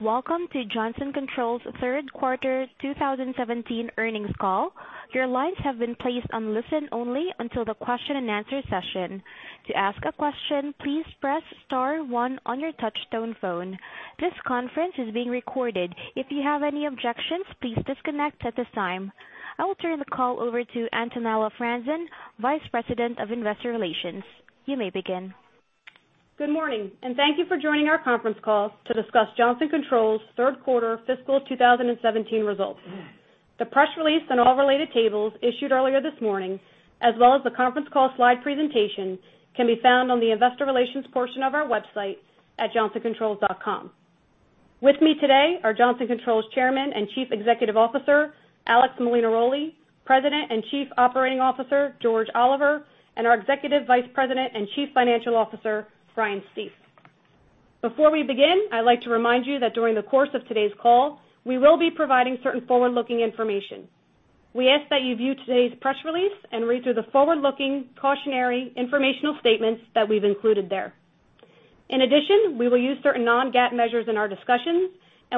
Welcome to Johnson Controls third quarter 2017 earnings call. Your lines have been placed on listen only until the question and answer session. To ask a question, please press star one on your touchtone phone. This conference is being recorded. If you have any objections, please disconnect at this time. I will turn the call over to Antonella Franzen, Vice President of Investor Relations. You may begin. Good morning. Thank you for joining our conference call to discuss Johnson Controls third quarter fiscal 2017 results. The press release and all related tables issued earlier this morning, as well as the conference call slide presentation, can be found on the investor relations portion of our website at johnsoncontrols.com. With me today are Johnson Controls Chairman and Chief Executive Officer, Alex Molinaroli, President and Chief Operating Officer, George Oliver, and our Executive Vice President and Chief Financial Officer, Brian Stief. Before we begin, I'd like to remind you that during the course of today's call, we will be providing certain forward-looking information. We ask that you view today's press release and read through the forward-looking cautionary informational statements that we've included there. We will use certain non-GAAP measures in our discussions.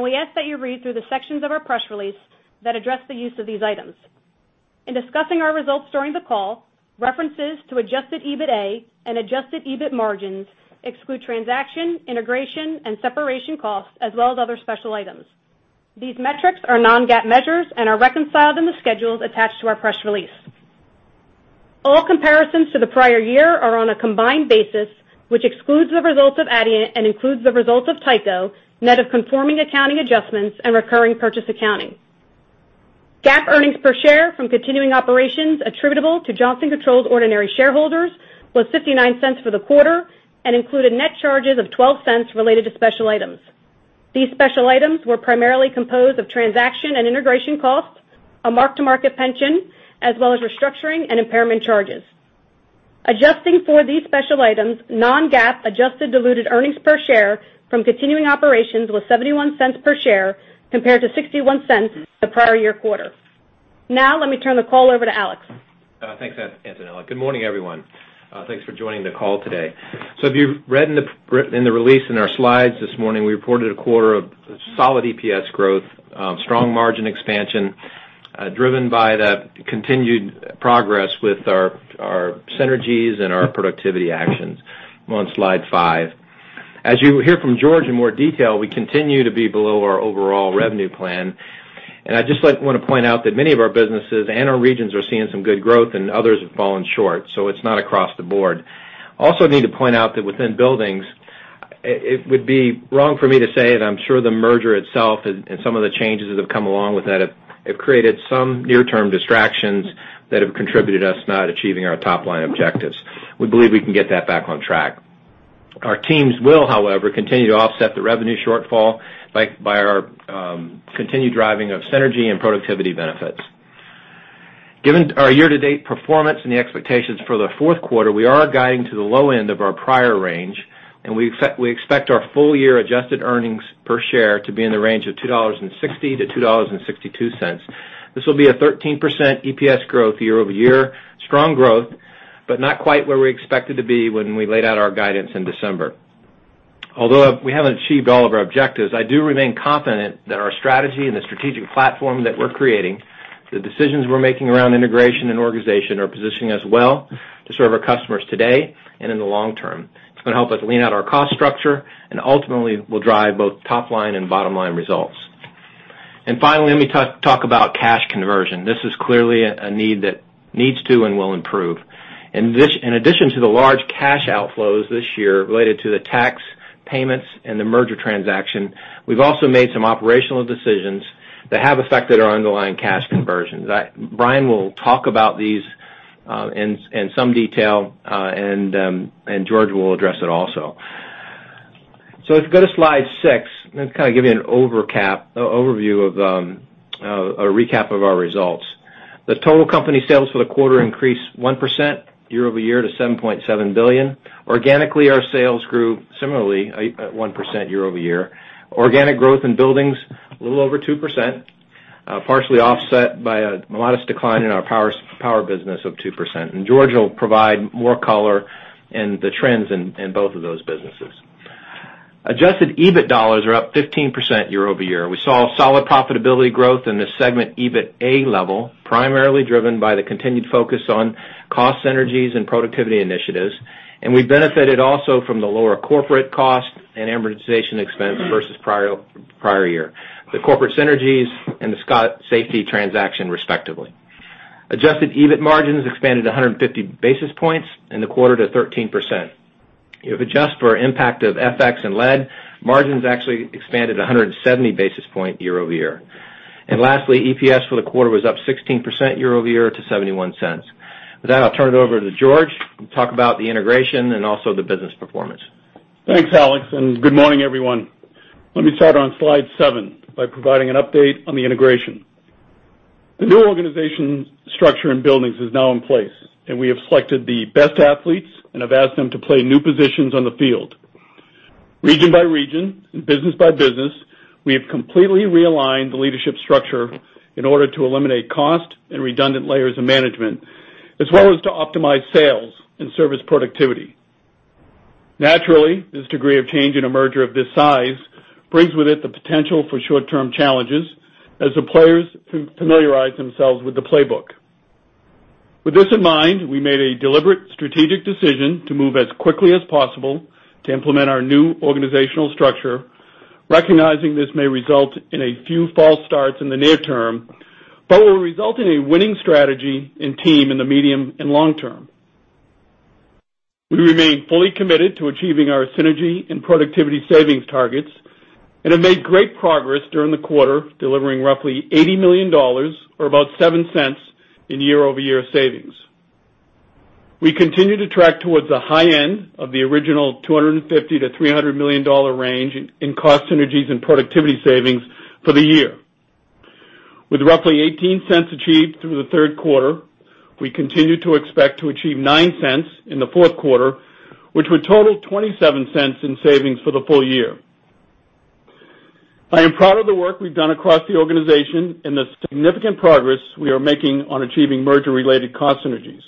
We ask that you read through the sections of our press release that address the use of these items. In discussing our results during the call, references to adjusted EBITA and adjusted EBIT margins exclude transaction, integration, and separation costs, as well as other special items. These metrics are non-GAAP measures and are reconciled in the schedules attached to our press release. All comparisons to the prior year are on a combined basis, which excludes the results of Adient and includes the results of Tyco, net of conforming accounting adjustments and recurring purchase accounting. GAAP earnings per share from continuing operations attributable to Johnson Controls ordinary shareholders was $0.59 for the quarter and included net charges of $0.12 related to special items. These special items were primarily composed of transaction and integration costs, a mark-to-market pension, as well as restructuring and impairment charges. Adjusting for these special items, non-GAAP adjusted diluted earnings per share from continuing operations was $0.71 per share compared to $0.61 the prior year quarter. Now, let me turn the call over to Alex. Thanks, Antonella. Good morning, everyone. Thanks for joining the call today. If you've read in the release in our slides this morning, we reported a quarter of solid EPS growth, strong margin expansion, driven by the continued progress with our synergies and our productivity actions on slide five. As you will hear from George in more detail, we continue to be below our overall revenue plan, and I'd just like to point out that many of our businesses and our regions are seeing some good growth and others have fallen short. It's not across the board. I also need to point out that within buildings, it would be wrong for me to say it. I'm sure the merger itself and some of the changes that have come along with that have created some near-term distractions that have contributed us not achieving our top-line objectives. We believe we can get that back on track. Our teams will, however, continue to offset the revenue shortfall by our continued driving of synergy and productivity benefits. Given our year-to-date performance and the expectations for the fourth quarter, we are guiding to the low end of our prior range, and we expect our full year adjusted earnings per share to be in the range of $2.60-$2.62. This will be a 13% EPS growth year-over-year. Strong growth, but not quite where we expected to be when we laid out our guidance in December. Although we haven't achieved all of our objectives, I do remain confident that our strategy and the strategic platform that we're creating, the decisions we're making around integration and organization are positioning us well to serve our customers today and in the long term. It's going to help us lean out our cost structure and ultimately will drive both top-line and bottom-line results. Finally, let me talk about cash conversion. This is clearly a need that needs to and will improve. In addition to the large cash outflows this year related to the tax payments and the merger transaction, we've also made some operational decisions that have affected our underlying cash conversions. Brian will talk about these in some detail, and George will address it also. If you go to slide six, let me kind of give you an overcap, overview of a recap of our results. The total company sales for the quarter increased 1% year-over-year to $7.7 billion. Organically, our sales grew similarly at 1% year-over-year. Organic growth in buildings, a little over 2%, partially offset by a modest decline in our Power Solutions business of 2%. George will provide more color in the trends in both of those businesses. Adjusted EBIT dollars are up 15% year-over-year. We saw solid profitability growth in the segment EBITA level, primarily driven by the continued focus on cost synergies and productivity initiatives, and we benefited also from the lower corporate costs and amortization expense versus prior year, the corporate synergies and the Scott Safety transaction, respectively. Adjusted EBIT margins expanded 150 basis points in the quarter to 13%. If adjusted for impact of FX and LME, margins actually expanded 170 basis points year-over-year. Lastly, EPS for the quarter was up 16% year-over-year to $0.71. With that, I'll turn it over to George to talk about the integration and also the business performance. Thanks, Alex, and good morning, everyone. Let me start on slide seven by providing an update on the integration. The new organization structure and Building Efficiency is now in place. We have selected the best athletes and have asked them to play new positions on the field. Region by region, business by business, we have completely realigned the leadership structure in order to eliminate cost and redundant layers of management, as well as to optimize sales and service productivity. Naturally, this degree of change in a merger of this size brings with it the potential for short-term challenges as the players familiarize themselves with the playbook. With this in mind, we made a deliberate strategic decision to move as quickly as possible to implement our new organizational structure, recognizing this may result in a few false starts in the near term, will result in a winning strategy and team in the medium and long term. We remain fully committed to achieving our synergy and productivity savings targets and have made great progress during the quarter, delivering roughly $80 million or about $0.07 in year-over-year savings. We continue to track towards the high end of the original $250 million-$300 million range in cost synergies and productivity savings for the year. With roughly $0.18 achieved through the third quarter, we continue to expect to achieve $0.09 in the fourth quarter, which would total $0.27 in savings for the full year. I am proud of the work we've done across the organization and the significant progress we are making on achieving merger-related cost synergies.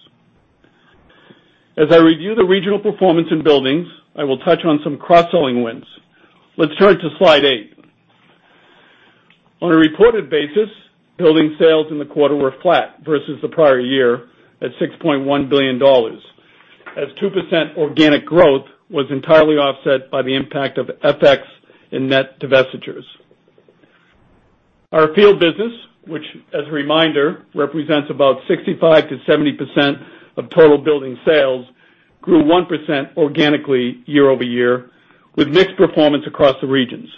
As I review the regional performance in Building Efficiency, I will touch on some cross-selling wins. Let's turn to slide eight. On a reported basis, Building Efficiency sales in the quarter were flat versus the prior year at $6.1 billion, as 2% organic growth was entirely offset by the impact of FX and net divestitures. Our field business, which as a reminder, represents about 65%-70% of total Building Efficiency sales, grew 1% organically year-over-year with mixed performance across the regions.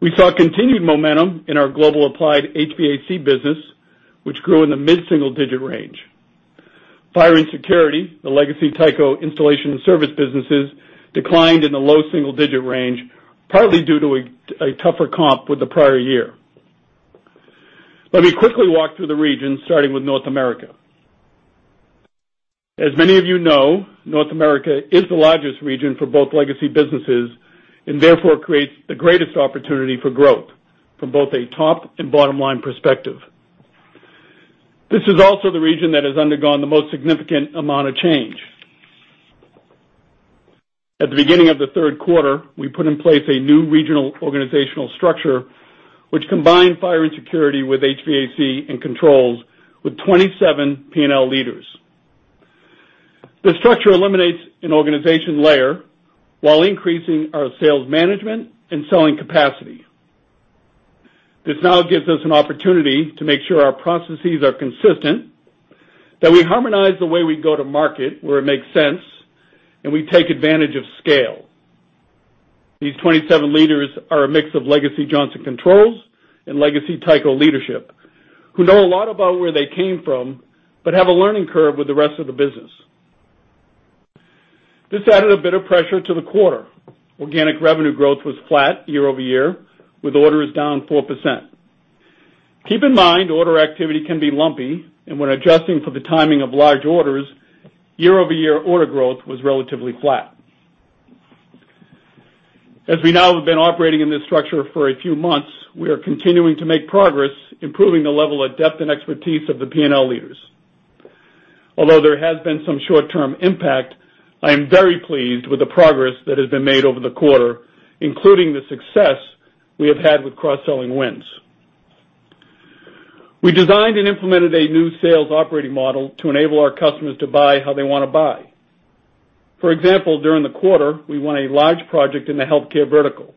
We saw continued momentum in our global applied HVAC business, which grew in the mid-single digit range. Fire and security, the legacy Tyco installation and service businesses, declined in the low double single digit range, partly due to a tougher comp with the prior year. Let me quickly walk through the regions, starting with North America. As many of you know, North America is the largest region for both legacy businesses and therefore creates the greatest opportunity for growth from both a top and bottom-line perspective. This is also the region that has undergone the most significant amount of change. At the beginning of the third quarter, we put in place a new regional organizational structure which combined fire and security with HVAC and controls with 27 P&L leaders. This structure eliminates an organization layer while increasing our sales management and selling capacity. This now gives us an opportunity to make sure our processes are consistent, that we harmonize the way we go to market where it makes sense, and we take advantage of scale. These 27 leaders are a mix of legacy Johnson Controls and legacy Tyco leadership, who know a lot about where they came from, but have a learning curve with the rest of the business. This added a bit of pressure to the quarter. Organic revenue growth was flat year-over-year, with orders down 4%. Keep in mind, order activity can be lumpy, and when adjusting for the timing of large orders, year-over-year order growth was relatively flat. As we now have been operating in this structure for a few months, we are continuing to make progress, improving the level of depth and expertise of the P&L leaders. Although there has been some short-term impact, I am very pleased with the progress that has been made over the quarter, including the success we have had with cross-selling wins. We designed and implemented a new sales operating model to enable our customers to buy how they want to buy. For example, during the quarter, we won a large project in the healthcare vertical.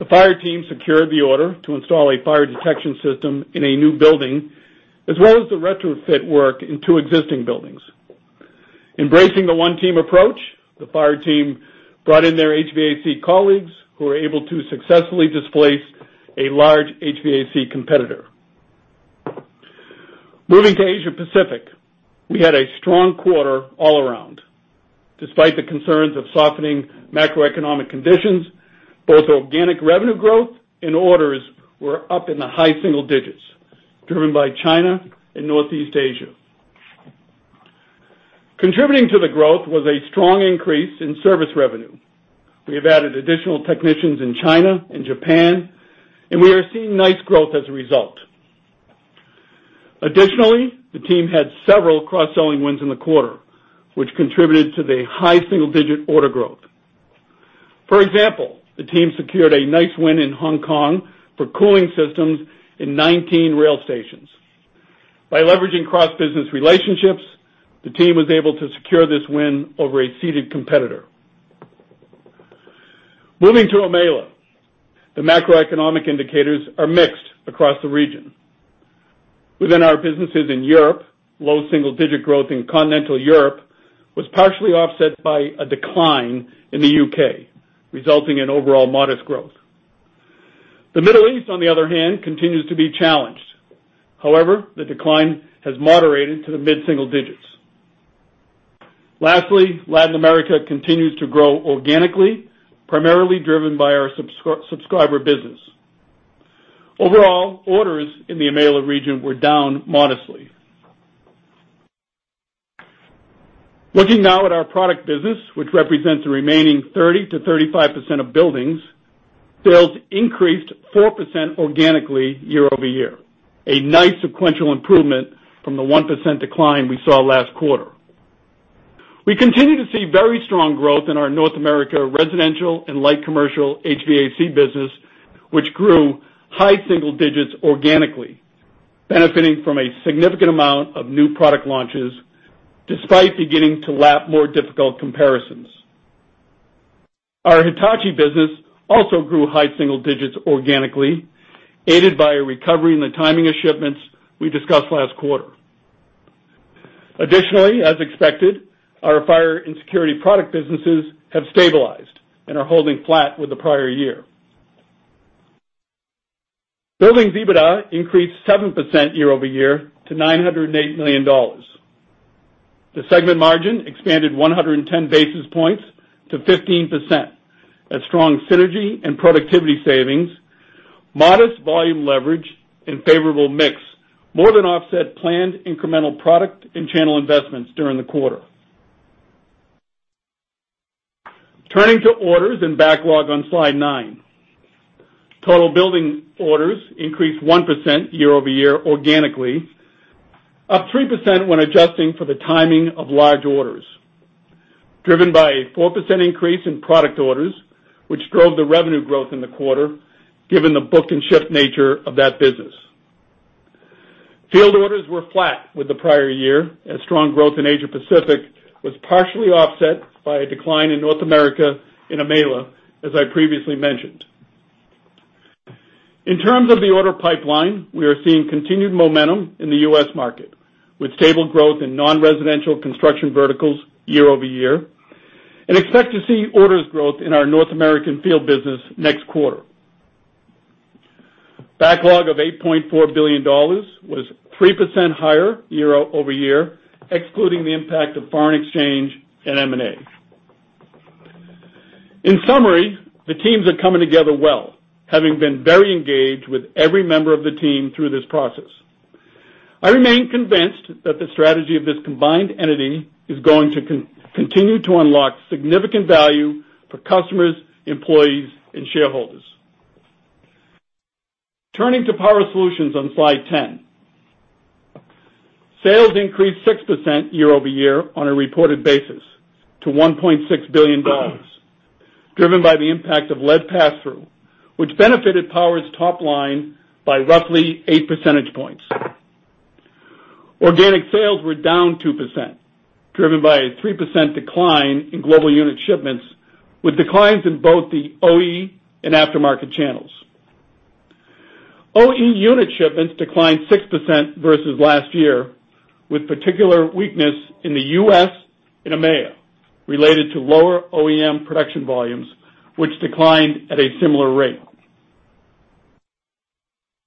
The fire team secured the order to install a fire detection system in a new building, as well as the retrofit work in two existing buildings. Embracing the one team approach, the fire team brought in their HVAC colleagues, who were able to successfully displace a large HVAC competitor. Moving to Asia Pacific, we had a strong quarter all around. Despite the concerns of softening macroeconomic conditions, both organic revenue growth and orders were up in the high single digits, driven by China and Northeast Asia. Contributing to the growth was a strong increase in service revenue. We have added additional technicians in China and Japan, and we are seeing nice growth as a result. Additionally, the team had several cross-selling wins in the quarter, which contributed to the high single-digit order growth. For example, the team secured a nice win in Hong Kong for cooling systems in 19 rail stations. By leveraging cross-business relationships, the team was able to secure this win over a seated competitor. Moving to EMEA, the macroeconomic indicators are mixed across the region. Within our businesses in Europe, low single digit growth in continental Europe was partially offset by a decline in the U.K., resulting in overall modest growth. The Middle East, on the other hand, continues to be challenged. However, the decline has moderated to the mid-single digits. Lastly, Latin America continues to grow organically, primarily driven by our subscriber business. Overall, orders in the EMEA region were down modestly. Looking now at our product business, which represents the remaining 30%-35% of Buildings sales, increased 4% organically year-over-year, a nice sequential improvement from the 1% decline we saw last quarter. We continue to see very strong growth in our North America residential and light commercial HVAC business, which grew high single digits organically, benefiting from a significant amount of new product launches, despite beginning to lap more difficult comparisons. Our Hitachi business also grew high single digits organically, aided by a recovery in the timing of shipments we discussed last quarter. Additionally, as expected, our fire and security product businesses have stabilized and are holding flat with the prior year. Buildings EBITA increased 7% year-over-year to $908 million. The segment margin expanded 110 basis points to 15%. Strong synergy and productivity savings, modest volume leverage, and favorable mix more than offset planned incremental product and channel investments during the quarter. Turning to orders and backlog on slide nine. Total Buildings orders increased 1% year-over-year organically, up 3% when adjusting for the timing of large orders, driven by a 4% increase in product orders, which drove the revenue growth in the quarter, given the book and ship nature of that business. Field orders were flat with the prior year, as strong growth in Asia Pacific was partially offset by a decline in North America and EMEA, as I previously mentioned. In terms of the order pipeline, we are seeing continued momentum in the U.S. market, with stable growth in non-residential construction verticals year-over-year, and expect to see orders growth in our North American field business next quarter. Backlog of $8.4 billion was 3% higher year-over-year, excluding the impact of foreign exchange and M&A. In summary, the teams are coming together well, having been very engaged with every member of the team through this process. I remain convinced that the strategy of this combined entity is going to continue to unlock significant value for customers, employees, and shareholders. Turning to Power Solutions on slide 10. Sales increased 6% year-over-year on a reported basis to $1.6 billion, driven by the impact of lead pass-through, which benefited Power's top line by roughly eight percentage points. Organic sales were down 2%, driven by a 3% decline in global unit shipments, with declines in both the OE and aftermarket channels. OE unit shipments declined 6% versus last year, with particular weakness in the U.S. and EMEA, related to lower OEM production volumes, which declined at a similar rate.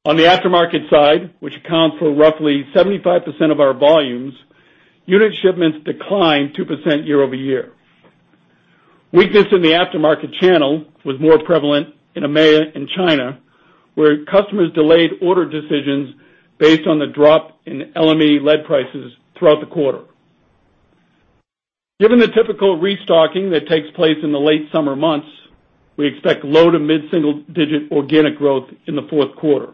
On the aftermarket side, which accounts for roughly 75% of our volumes, unit shipments declined 2% year-over-year. Weakness in the aftermarket channel was more prevalent in EMEA and China, where customers delayed order decisions based on the drop in LME lead prices throughout the quarter. Given the typical restocking that takes place in the late summer months, we expect low to mid-single digit organic growth in the fourth quarter.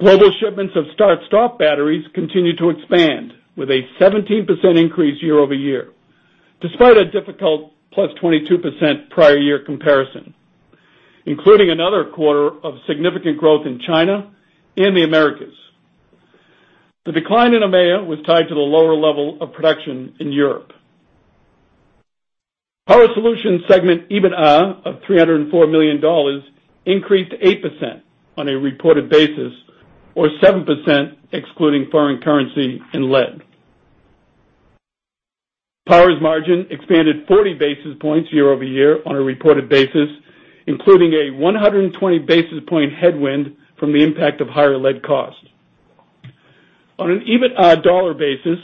Global shipments of start-stop batteries continue to expand with a 17% increase year-over-year, despite a difficult plus 22% prior year comparison, including another quarter of significant growth in China and the Americas. The decline in EMEA was tied to the lower level of production in Europe. Power Solutions segment EBITDA of $304 million increased 8% on a reported basis, or 7% excluding foreign currency and lead. Power's margin expanded 40 basis points year-over-year on a reported basis, including a 120 basis point headwind from the impact of higher lead costs. On an EBITDA dollar basis,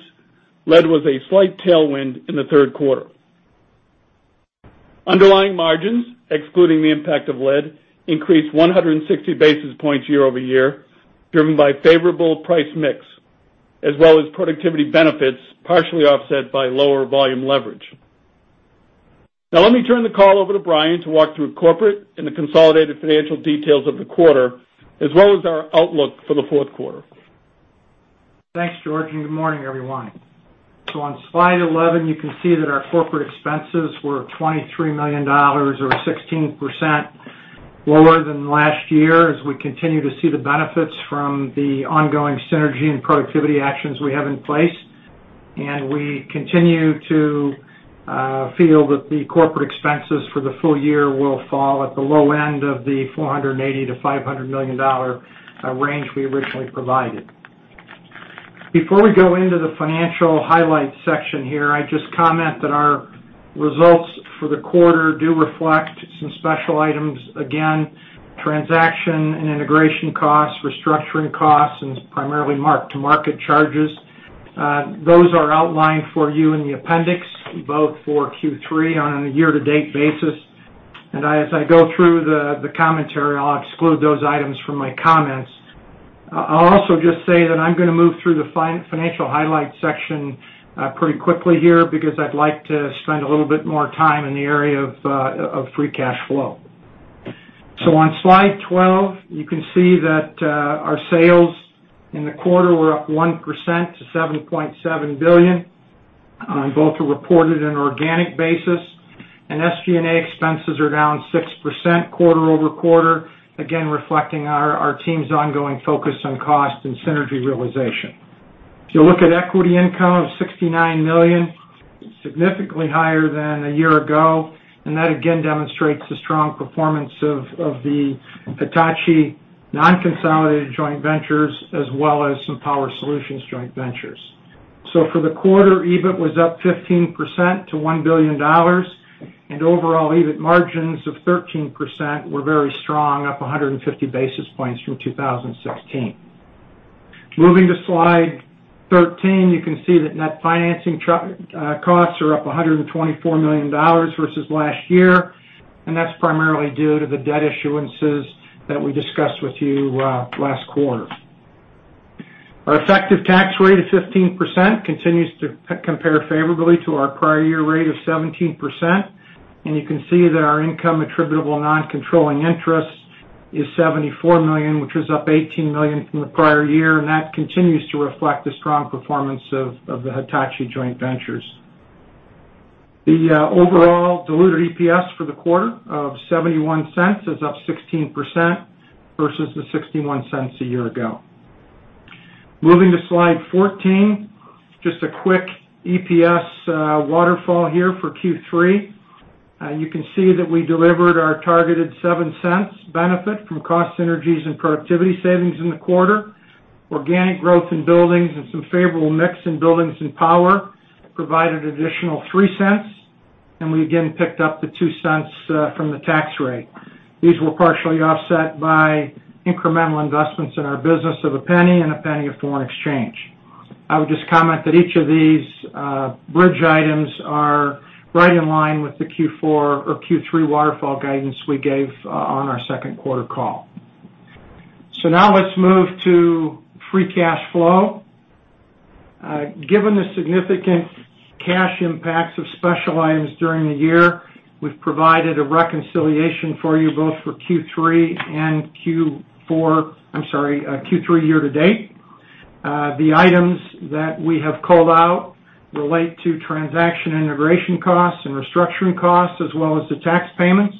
lead was a slight tailwind in the third quarter. Underlying margins, excluding the impact of lead, increased 160 basis points year-over-year, driven by favorable price mix, as well as productivity benefits, partially offset by lower volume leverage. Let me turn the call over to Brian to walk through corporate and the consolidated financial details of the quarter, as well as our outlook for the fourth quarter. Thanks, George, and good morning, everyone. On slide 11, you can see that our corporate expenses were $23 million, or 16% lower than last year as we continue to see the benefits from the ongoing synergy and productivity actions we have in place. We continue to feel that the corporate expenses for the full year will fall at the low end of the $480 million-$500 million range we originally provided. Before we go into the financial highlights section here, I just comment that our results for the quarter do reflect some special items, again, transaction and integration costs, restructuring costs, and primarily mark-to-market charges. Those are outlined for you in the appendix, both for Q3 on a year-to-date basis. As I go through the commentary, I'll exclude those items from my comments. I'll also just say that I'm going to move through the financial highlights section pretty quickly here because I'd like to spend a little bit more time in the area of free cash flow. On slide 12, you can see that our sales in the quarter were up 1% to $7.7 billion, both are reported in organic basis, and SG&A expenses are down 6% quarter-over-quarter, again, reflecting our team's ongoing focus on cost and synergy realization. If you look at equity income of $69 million, significantly higher than a year ago, and that again demonstrates the strong performance of the Hitachi non-consolidated joint ventures as well as some Power Solutions joint ventures. For the quarter, EBIT was up 15% to $1 billion, and overall EBIT margins of 13% were very strong, up 150 basis points from 2016. Moving to slide 13, you can see that net financing costs are up $124 million versus last year, and that's primarily due to the debt issuances that we discussed with you last quarter. Our effective tax rate of 15% continues to compare favorably to our prior year rate of 17%, and you can see that our income attributable non-controlling interest is $74 million, which was up $18 million from the prior year, and that continues to reflect the strong performance of the Hitachi joint ventures. The overall diluted EPS for the quarter of $0.71 is up 16% versus the $0.61 a year ago. Moving to slide 14, just a quick EPS waterfall here for Q3. You can see that we delivered our targeted $0.07 benefit from cost synergies and productivity savings in the quarter. Organic growth in buildings and some favorable mix in buildings and Power Solutions provided additional $0.03. We again picked up the $0.02 from the tax rate. These were partially offset by incremental investments in our business of $0.01 and $0.01 of foreign exchange. I would just comment that each of these bridge items are right in line with the Q4 or Q3 waterfall guidance we gave on our second quarter call. Now let's move to free cash flow. Given the significant cash impacts of special items during the year, we've provided a reconciliation for you both for Q3 and Q4, I'm sorry, Q3 year to date. The items that we have called out relate to transaction integration costs and restructuring costs, as well as the tax payments.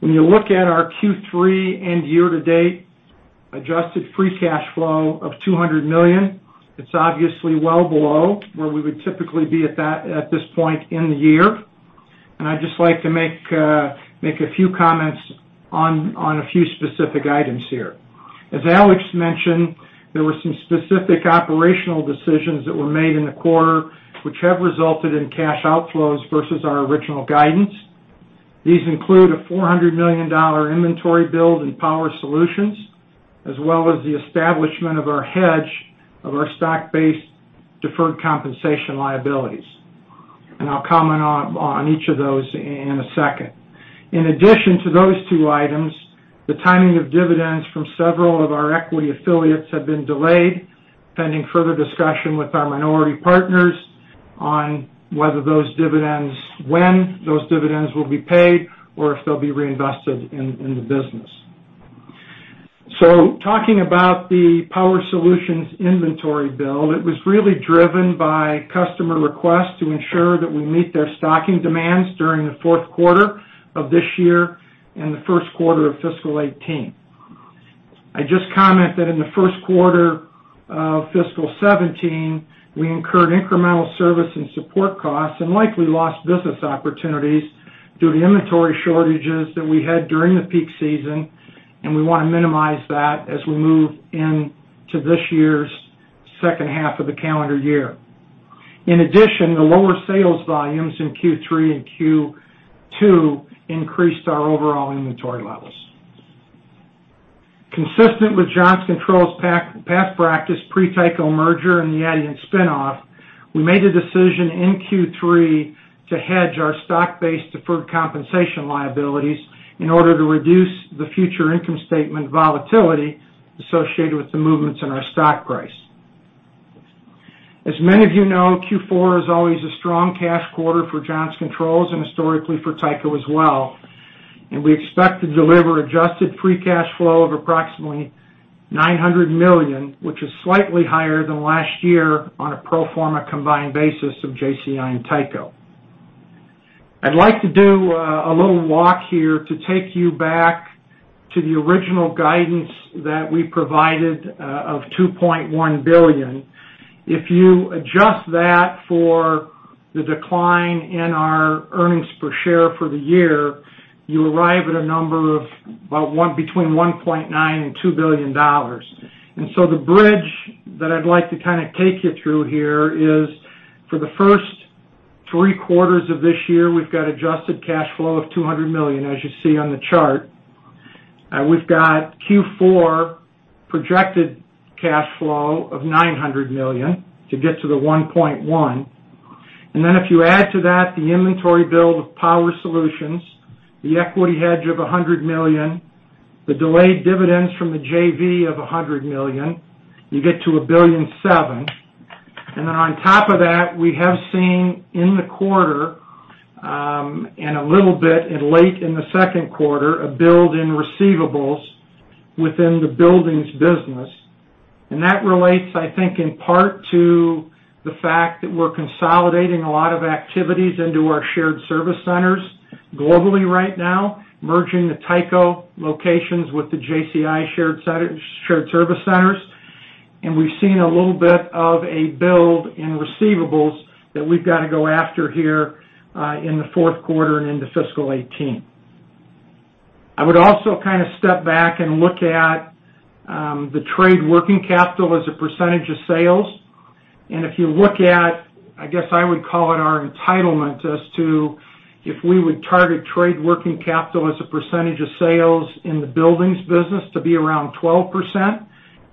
When you look at our Q3 and year to date adjusted free cash flow of $200 million, it's obviously well below where we would typically be at this point in the year. I'd just like to make a few comments on a few specific items here. As Alex mentioned, there were some specific operational decisions that were made in the quarter, which have resulted in cash outflows versus our original guidance. These include a $400 million inventory build in Power Solutions, as well as the establishment of our hedge of our stock-based deferred compensation liabilities. I'll comment on each of those in a second. In addition to those two items, the timing of dividends from several of our equity affiliates have been delayed, pending further discussion with our minority partners on when those dividends will be paid or if they'll be reinvested in the business. Talking about the Power Solutions inventory build, it was really driven by customer requests to ensure that we meet their stocking demands during the fourth quarter of this year and the first quarter of fiscal 2018. I just comment that in the first quarter of fiscal 2017, we incurred incremental service and support costs and likely lost business opportunities due to inventory shortages that we had during the peak season, and we want to minimize that as we move into this year's second half of the calendar year. In addition, the lower sales volumes in Q3 and Q2 increased our overall inventory levels. Consistent with Johnson Controls' past practice pre-Tyco merger and the Adient spin-off, we made the decision in Q3 to hedge our stock-based deferred compensation liabilities in order to reduce the future income statement volatility associated with the movements in our stock price. As many of you know, Q4 is always a strong cash quarter for Johnson Controls and historically for Tyco as well. We expect to deliver adjusted free cash flow of approximately $900 million, which is slightly higher than last year on a pro forma combined basis of JCI and Tyco. I'd like to do a little walk here to take you back to the original guidance that we provided of $2.1 billion. If you adjust that for the decline in our EPS for the year, you arrive at a number of between $1.9 billion and $2 billion. The bridge that I'd like to kind of take you through here is for the first three quarters of this year, we've got adjusted cash flow of $200 million, as you see on the chart. We've got Q4 projected cash flow of $900 million to get to the $1.1 billion. If you add to that the inventory build of Power Solutions, the equity hedge of $100 million, the delayed dividends from the JV of $100 million, you get to $1.7 billion. On top of that, we have seen in the quarter, a little bit late in the second quarter, a build in receivables within the buildings business. That relates, I think, in part to the fact that we're consolidating a lot of activities into our shared service centers globally right now, merging the Tyco locations with the JCI shared service centers. We've seen a little bit of a build in receivables that we've got to go after here in the fourth quarter and into fiscal 2018. I would also step back and look at the trade working capital as a percentage of sales. If you look at, I guess I would call it our entitlement as to if we would target trade working capital as a percentage of sales in the buildings business to be around 12%,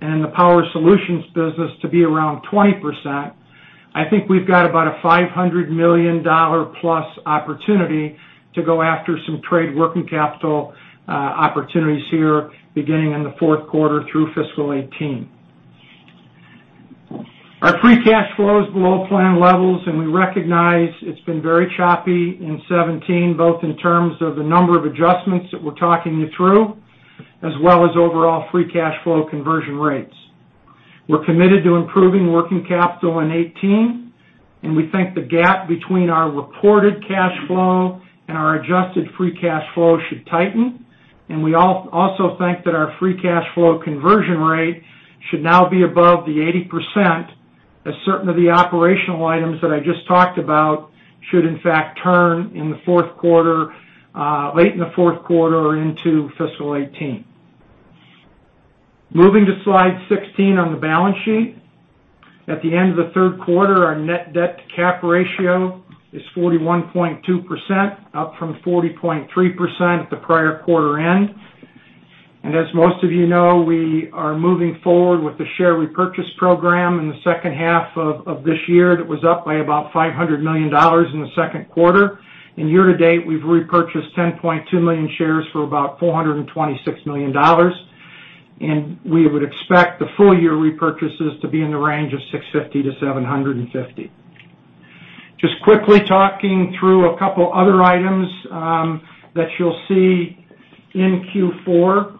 in the Power Solutions business to be around 20%, I think we've got about a $500 million-plus opportunity to go after some trade working capital opportunities here, beginning in the fourth quarter through fiscal 2018. Our free cash flow is below plan levels, we recognize it's been very choppy in 2017, both in terms of the number of adjustments that we're talking you through, as well as overall free cash flow conversion rates. We're committed to improving working capital in 2018, we think the gap between our reported cash flow and our adjusted free cash flow should tighten. We also think that our free cash flow conversion rate should now be above the 80%, as certain of the operational items that I just talked about should in fact turn late in the fourth quarter or into fiscal 2018. Moving to slide 16 on the balance sheet. At the end of the third quarter, our net debt to cap ratio is 41.2%, up from 40.3% at the prior quarter end. As most of you know, we are moving forward with the share repurchase program in the second half of this year. That was up by about $500 million in the second quarter. Year to date, we've repurchased 10.2 million shares for about $426 million. We would expect the full-year repurchases to be in the range of $650 million-$750 million. Just quickly talking through a couple other items that you'll see in Q4.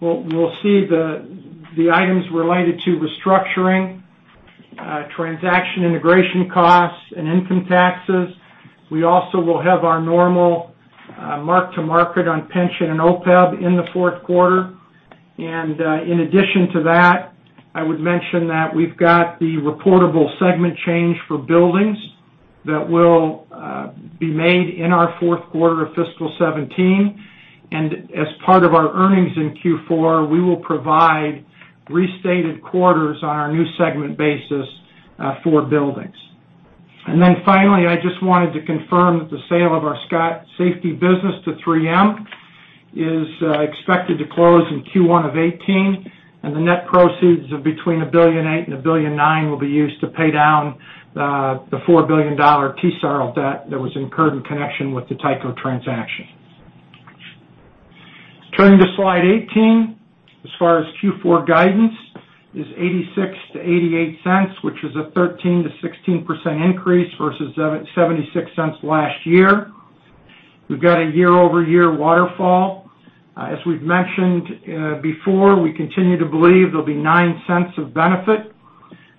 We'll see the items related to restructuring, transaction integration costs, and income taxes. We also will have our normal mark-to-market on pension and OPEB in the fourth quarter. In addition to that, I would mention that we've got the reportable segment change for buildings that will be made in our fourth quarter of fiscal 2017. As part of our earnings in Q4, we will provide restated quarters on our new segment basis for buildings. Finally, I just wanted to confirm that the sale of our Scott Safety business to 3M is expected to close in Q1 of 2018, and the net proceeds of between $1.8 billion and $1.9 billion will be used to pay down the $4 billion TSARL debt that was incurred in connection with the Tyco transaction. Turning to slide 18, as far as Q4 guidance, is $0.86-$0.88, which is a 13%-16% increase versus $0.76 last year. We've got a year-over-year waterfall. As we've mentioned before, we continue to believe there'll be $0.09 of benefit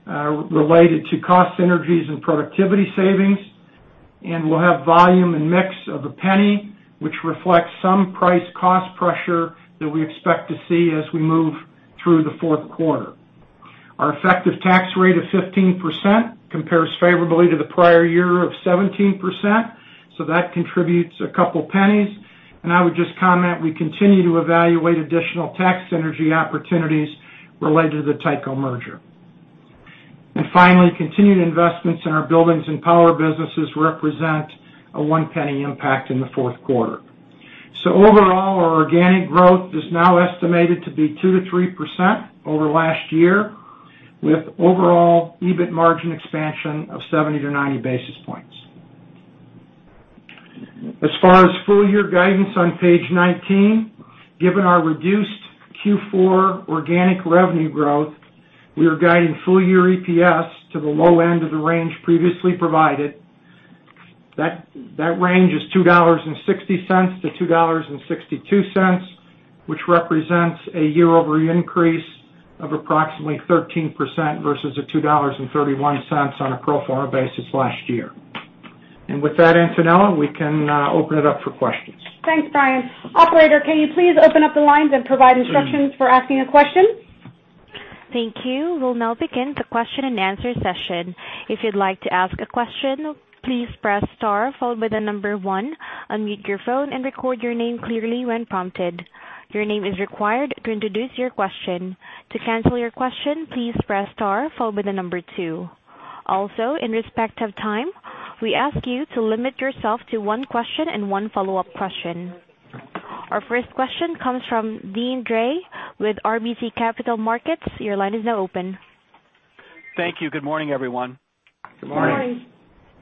related to cost synergies and productivity savings. We'll have volume and mix of $0.01, which reflects some price cost pressure that we expect to see as we move through the fourth quarter. Our effective tax rate of 15% compares favorably to the prior year of 17%, so that contributes $0.02. I would just comment, we continue to evaluate additional tax synergy opportunities related to the Tyco merger. Finally, continued investments in our buildings and power businesses represent a $0.01 impact in the fourth quarter. Overall, our organic growth is now estimated to be 2%-3% over last year, with overall EBIT margin expansion of 70-90 basis points. As far as full-year guidance on page 19, given our reduced Q4 organic revenue growth, we are guiding full-year EPS to the low end of the range previously provided. That range is $2.60-$2.62, which represents a year-over-year increase of approximately 13% versus a $2.31 on a pro forma basis last year. With that, Antonella, we can open it up for questions. Thanks, Brian. Operator, can you please open up the lines and provide instructions for asking a question? Thank you. We'll now begin the question and answer session. If you'd like to ask a question, please press star followed by the number 1, unmute your phone and record your name clearly when prompted. Your name is required to introduce your question. To cancel your question, please press star followed by the number 2. Also, in respect of time, we ask you to limit yourself to one question and one follow-up question. Our first question comes from Deane Dray with RBC Capital Markets. Your line is now open. Thank you. Good morning, everyone. Good morning.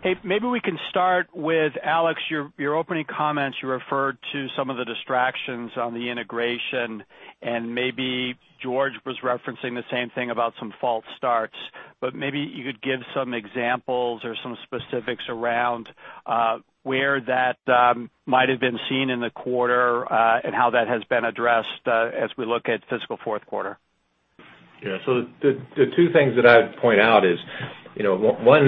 Hey, maybe we can start with Alex. Your opening comments, you referred to some of the distractions on the integration, and maybe George was referencing the same thing about some false starts. Maybe you could give some examples or some specifics around where that might have been seen in the quarter, and how that has been addressed, as we look at fiscal fourth quarter. Yeah. The two things that I'd point out is, one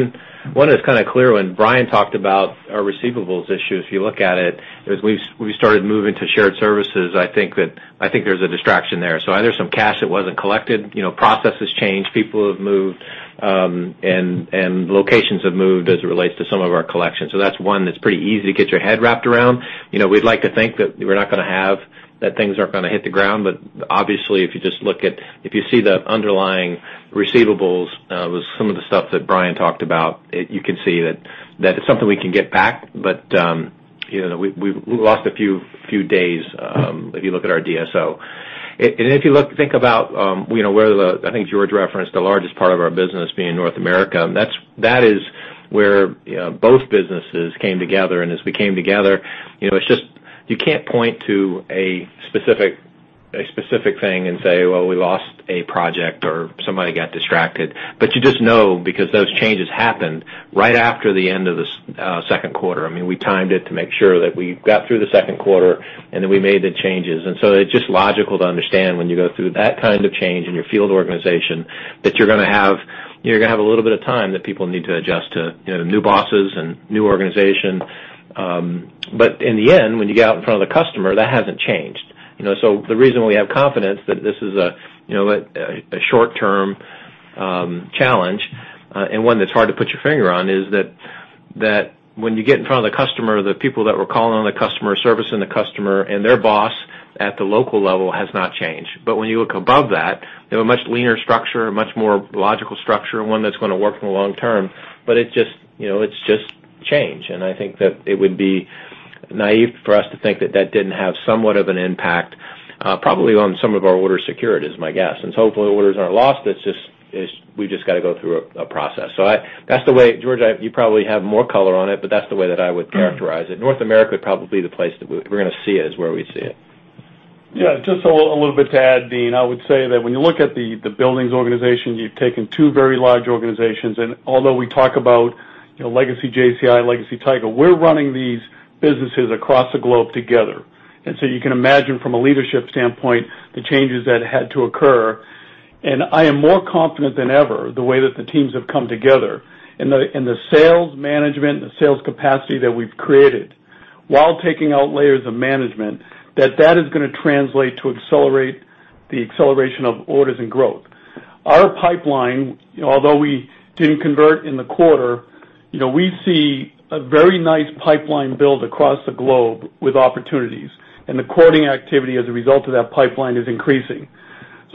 is kind of clear. When Brian talked about our receivables issue, if you look at it, as we started moving to shared services, I think there's a distraction there. Either some cash that wasn't collected, processes changed, people have moved, and locations have moved as it relates to some of our collections. That's one that's pretty easy to get your head wrapped around. We'd like to think that things aren't going to hit the ground, obviously, if you see the underlying receivables, with some of the stuff that Brian talked about, you can see that it's something we can get back. We lost a few days, if you look at our DSO. If you think about where the, I think George referenced the largest part of our business being North America, that is where both businesses came together. As we came together, you can't point to a specific thing and say, "Well, we lost a project or somebody got distracted." You just know, because those changes happened right after the end of the second quarter. We timed it to make sure that we got through the second quarter, then we made the changes. It's just logical to understand when you go through that kind of change in your field organization, that you're going to have a little bit of time that people need to adjust to new bosses and new organization. In the end, when you get out in front of the customer, that hasn't changed. The reason we have confidence that this is a short-term challenge, and one that's hard to put your finger on, is that when you get in front of the customer, the people that were calling on the customer, servicing the customer, and their boss at the local level has not changed. When you look above that, they have a much leaner structure, a much more logical structure, and one that's going to work in the long term. It's just change, and I think that it would be naive for us to think that that didn't have somewhat of an impact, probably on some of our order security is my guess. Hopefully the orders aren't lost, it's just we've just got to go through a process. That's the way, George, you probably have more color on it, that's the way that I would characterize it. North America probably the place that we're going to see it, is where we see it. Yeah, just a little bit to add, Deane. I would say that when you look at the buildings organization, you've taken two very large organizations. Although we talk about legacy JCI, legacy Tyco, we're running these businesses across the globe together. You can imagine from a leadership standpoint, the changes that had to occur. I am more confident than ever the way that the teams have come together. The sales management and the sales capacity that we've created while taking out layers of management, that that is going to translate to accelerate the acceleration of orders and growth. Our pipeline, although we didn't convert in the quarter, we see a very nice pipeline build across the globe with opportunities, and the quoting activity as a result of that pipeline is increasing.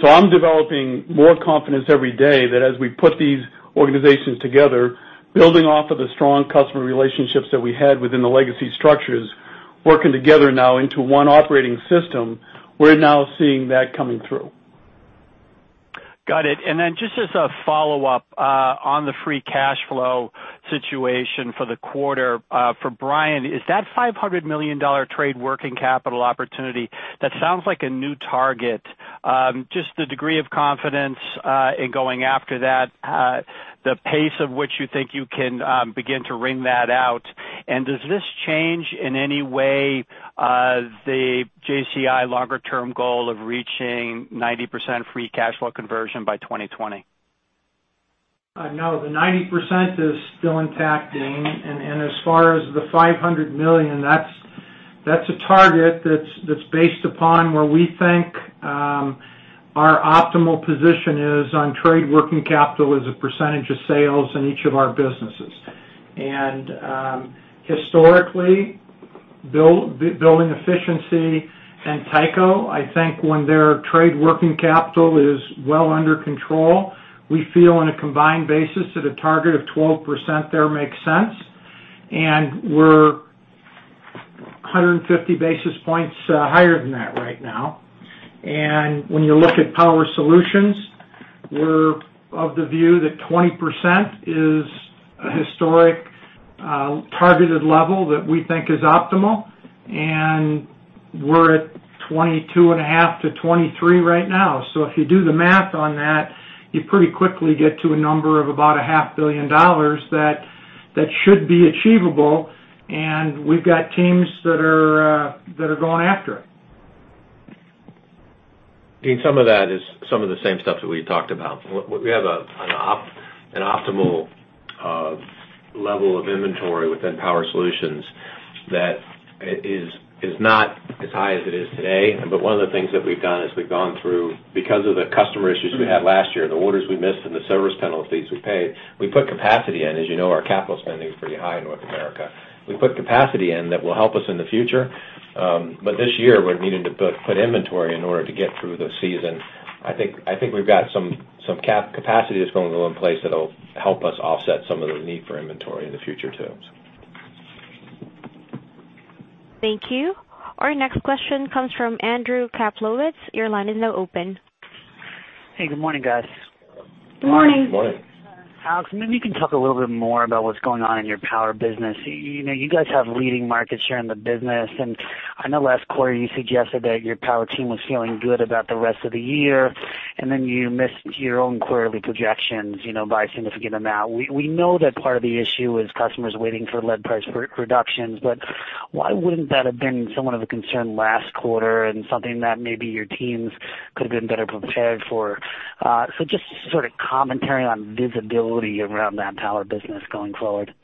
I'm developing more confidence every day that as we put these organizations together, building off of the strong customer relationships that we had within the legacy structures, working together now into one operating system, we're now seeing that coming through. Got it. Just as a follow-up, on the free cash flow situation for the quarter, for Brian, is that $500 million trade working capital opportunity, that sounds like a new target. Just the degree of confidence, in going after that, the pace of which you think you can begin to wring that out, and does this change in any way, the JCI longer-term goal of reaching 90% free cash flow conversion by 2020? No, the 90% is still intact, Deane. As far as the $500 million, that's a target that's based upon where we think our optimal position is on trade working capital as a percentage of sales in each of our businesses. Historically, Building Efficiency and Tyco, I think when their trade working capital is well under control, we feel on a combined basis that a target of 12% there makes sense, and we're 150 basis points higher than that right now. When you look at Power Solutions, we're of the view that 20% is a historic targeted level that we think is optimal, and we're at 22.5%-23% right now. If you do the math on that, you pretty quickly get to a number of about a half billion dollars that should be achievable, and we've got teams that are going after it. Deane, some of that is some of the same stuff that we talked about. We have an optimal level of inventory within Power Solutions that is not as high as it is today. One of the things that we've done is we've gone through, because of the customer issues we had last year, the orders we missed and the service penalty fees we paid, we put capacity in. As you know, our capital spending is pretty high in North America. We put capacity in that will help us in the future. This year, we're needing to put inventory in order to get through the season. I think we've got some capacity that's going to go in place that'll help us offset some of the need for inventory in the future too. Thank you. Our next question comes from Andrew Kaplowitz. Your line is now open. Hey, good morning, guys. Good morning. Good morning. Alex, maybe you can talk a little bit more about what's going on in your power business. You guys have leading market share in the business. I know last quarter you suggested that your power team was feeling good about the rest of the year, then you missed your own quarterly projections by a significant amount. We know that part of the issue is customers waiting for lead price reductions, why wouldn't that have been somewhat of a concern last quarter and something that maybe your teams could have been better prepared for? Just sort of commentary on visibility around that power business going forward.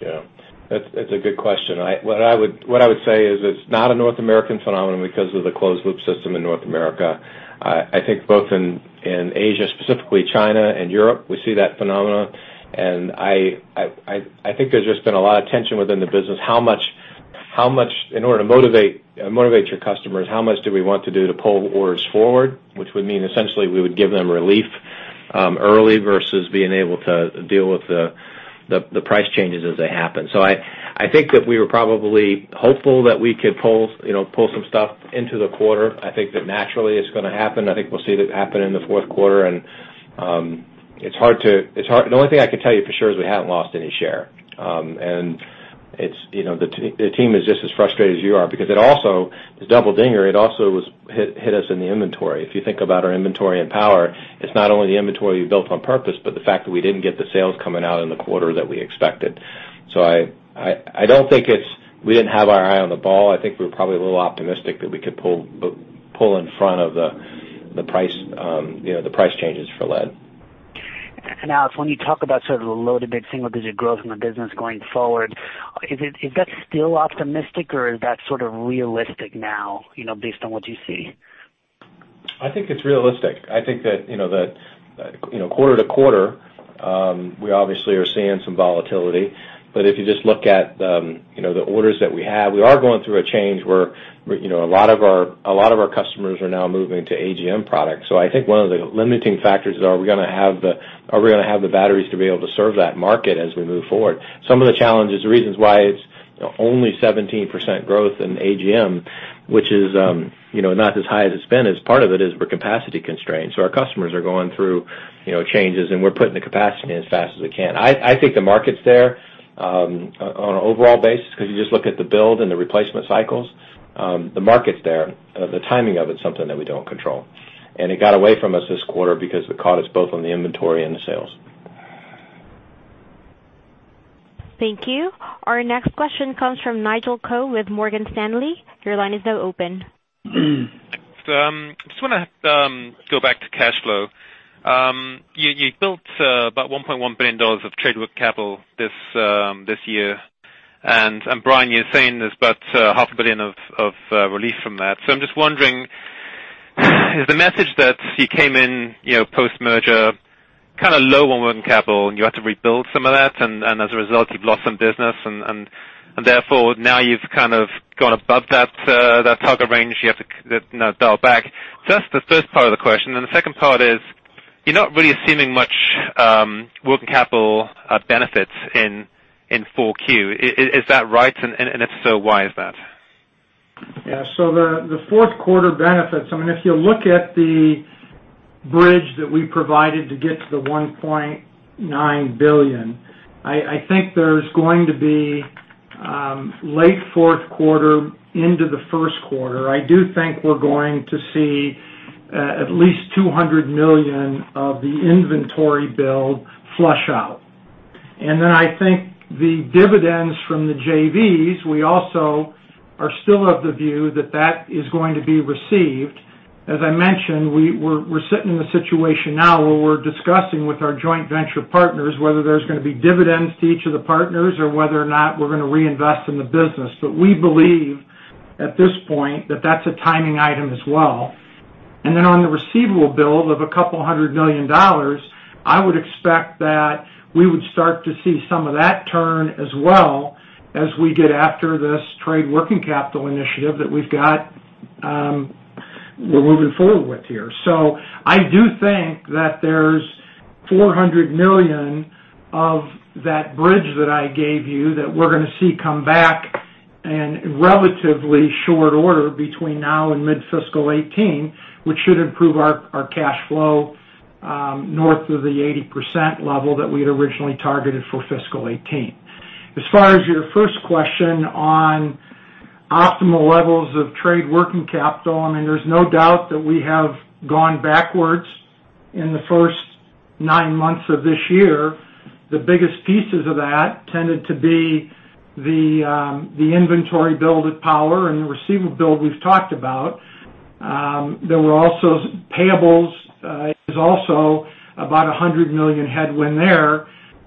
Yeah. That's a good question. What I would say is it's not a North American phenomenon because of the closed-loop system in North America. I think both in Asia, specifically China, and Europe, we see that phenomenon. I think there's just been a lot of tension within the business. In order to motivate your customers, how much do we want to do to pull orders forward? Which would mean essentially we would give them relief early versus being able to deal with the price changes as they happen. I think that we were probably hopeful that we could pull some stuff into the quarter. I think that naturally it's going to happen. I think we'll see that happen in the fourth quarter. The only thing I can tell you for sure is we haven't lost any share. The team is just as frustrated as you are because it also, the double dinger, it also hit us in the inventory. If you think about our inventory and power, it's not only the inventory we built on purpose, but the fact that we didn't get the sales coming out in the quarter that we expected. I don't think it's we didn't have our eye on the ball. I think we were probably a little optimistic that we could pull in front of the price changes for lead. Alex, when you talk about sort of the low-to-mid single-digit growth in the business going forward, is that still optimistic or is that sort of realistic now, based on what you see? I think it's realistic. I think that quarter to quarter, we obviously are seeing some volatility. If you just look at the orders that we have, we are going through a change where a lot of our customers are now moving to AGM products. I think one of the limiting factors is are we going to have the batteries to be able to serve that market as we move forward? Some of the challenges, the reasons why it's only 17% growth in AGM, which is not as high as it's been, is part of it is we're capacity constrained. Our customers are going through changes, and we're putting the capacity in as fast as we can. I think the market's there on an overall basis because you just look at the build and the replacement cycles. The market's there. The timing of it is something that we don't control. It got away from us this quarter because it caught us both on the inventory and the sales. Thank you. Our next question comes from Nigel Coe with Morgan Stanley. Your line is now open. Just want to go back to cash flow. You built about $1.1 billion of trade work capital this year. Brian, you're saying there's about half a billion of relief from that. I'm just wondering, is the message that you came in post-merger kind of low on working capital and you had to rebuild some of that, as a result you've lost some business and therefore now you've kind of gone above that target range you have to now dial back? That's the first part of the question. The second part is you're not really assuming much working capital benefits in 4Q. Is that right? If so, why is that? Yeah. The fourth quarter benefits, I mean, if you look at the bridge that we provided to get to the $1.9 billion, I think there's going to be late fourth quarter into the first quarter. I do think we're going to see at least $200 million of the inventory build flush out. I think the dividends from the JVs, we also are still of the view that that is going to be received. As I mentioned, we're sitting in a situation now where we're discussing with our joint venture partners whether there's going to be dividends to each of the partners or whether or not we're going to reinvest in the business. We believe at this point that that's a timing item as well. On the receivable build of a couple hundred million dollars, I would expect that we would start to see some of that turn as well as we get after this trade working capital initiative that we've got, we're moving forward with here. I do think that there's $400 million of that bridge that I gave you that we're going to see come back in relatively short order between now and mid-fiscal 2018, which should improve our cash flow north of the 80% level that we had originally targeted for fiscal 2018. As far as your first question on optimal levels of trade working capital, I mean, there's no doubt that we have gone backwards in the first nine months of this year. The biggest pieces of that tended to be the inventory build at Power and the receivable build we've talked about. There were also payables. There's also about $100 million headwind there.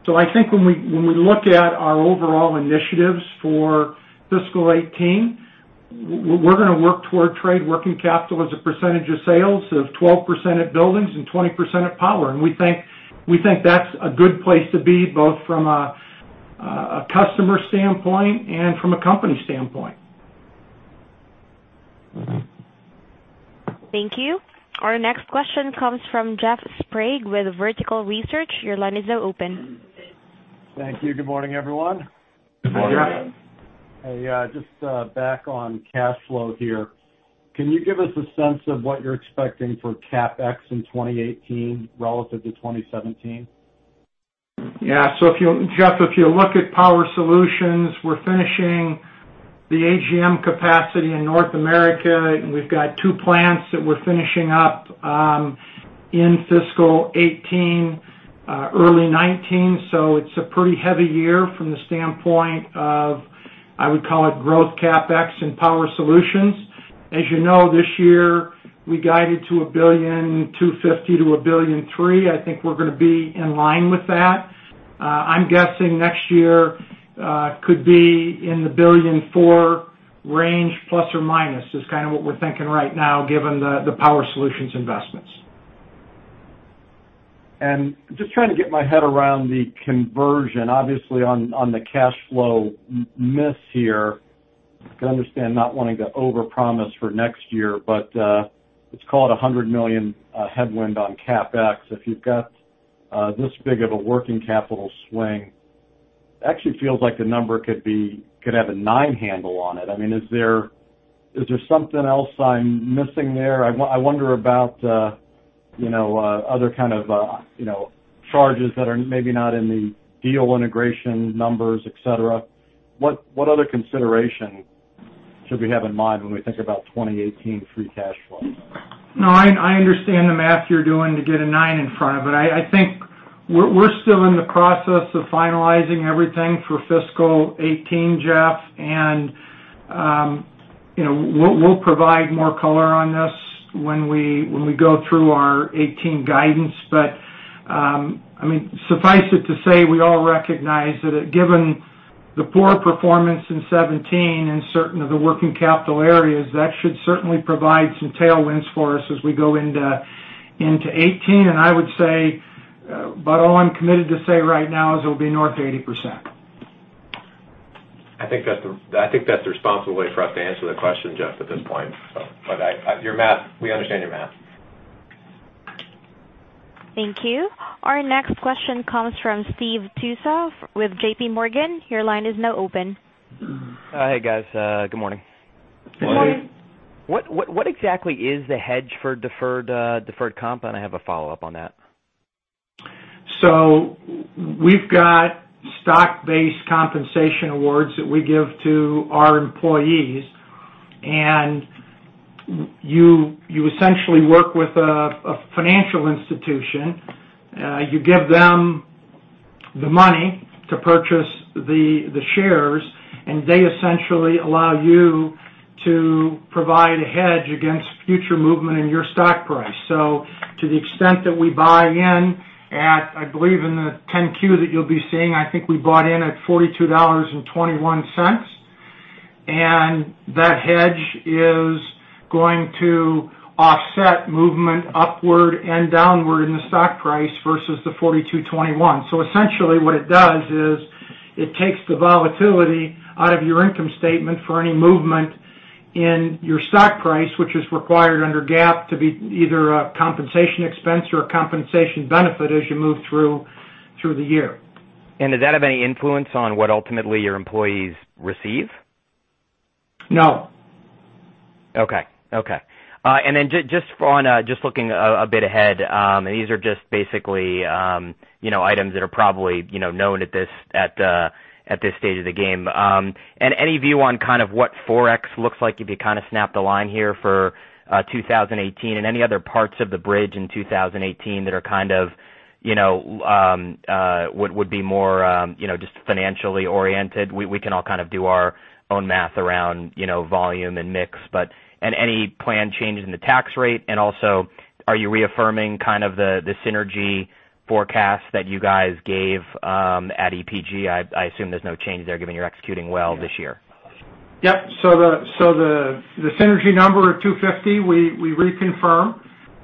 I think when we look at our overall initiatives for fiscal 2018, we're going to work toward trade working capital as a percentage of sales of 12% at Buildings and 20% at Power. We think that's a good place to be both from a customer standpoint and from a company standpoint. Thank you. Our next question comes from Jeff Sprague with Vertical Research. Your line is now open. Thank you. Good morning, everyone. Good morning. Hey, just back on cash flow here. Can you give us a sense of what you're expecting for CapEx in 2018 relative to 2017? Yeah. Jeff, if you look at Power Solutions, we're finishing the AGM capacity in North America, and we've got two plants that we're finishing up in fiscal 2018, early 2019. It's a pretty heavy year from the standpoint of, I would call it growth CapEx and Power Solutions. As you know, this year, we guided to $1.25 billion to $1.3 billion. I think we're going to be in line with that. I'm guessing next year could be in the $1.4 billion range, ±. Is kind of what we're thinking right now given the Power Solutions investments. Just trying to get my head around the conversion, obviously, on the cash flow miss here. I can understand not wanting to overpromise for next year, but let's call it a $100 million headwind on CapEx. If you've got this big of a working capital swing, actually feels like the number could have a 9 handle on it. I mean, is there something else I'm missing there? I wonder about other kind of charges that are maybe not in the deal integration numbers, et cetera. What other consideration should we have in mind when we think about 2018 free cash flow? I understand the math you're doing to get a 9 in front of it. I think we're still in the process of finalizing everything for fiscal 2018, Jeff, we'll provide more color on this when we go through our 2018 guidance. Suffice it to say, we all recognize that given the poor performance in 2017 in certain of the working capital areas, that should certainly provide some tailwinds for us as we go into 2018. I would say about all I'm committed to say right now is it'll be north of 80%. I think that's the responsible way for us to answer the question, Jeff, at this point. We understand your math. Thank you. Our next question comes from Steve Tusa with JPMorgan. Your line is now open. Hey, guys. Good morning. Good morning. What exactly is the hedge for deferred comp? I have a follow-up on that. We've got stock-based compensation awards that we give to our employees, you essentially work with a financial institution. You give them the money to purchase the shares, they essentially allow you to provide a hedge against future movement in your stock price. To the extent that we buy in at, I believe in the 10-Q that you'll be seeing, I think we bought in at $42.21, that hedge is going to offset movement upward and downward in the stock price versus the $42.21. Essentially, what it does is it takes the volatility out of your income statement for any movement in your stock price, which is required under GAAP to be either a compensation expense or a compensation benefit as you move through the year. Does that have any influence on what ultimately your employees receive? No. Okay. Just looking a bit ahead, these are just basically items that are probably known at this stage of the game. Any view on kind of what Forex looks like if you kind of snap the line here for 2018 and any other parts of the bridge in 2018 that would be more just financially oriented? We can all kind of do our own math around volume and mix. Any planned changes in the tax rate, also, are you reaffirming kind of the synergy forecast that you guys gave at EPG? I assume there's no change there given you're executing well this year. Yep. The synergy number of 250, we reconfirm.